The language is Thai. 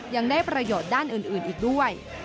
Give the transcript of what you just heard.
ยังได้ประโยชน์ด้านอื่นอีกด้วย